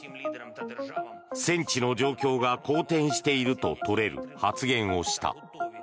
戦地の状況が好転しているととれる発言をした。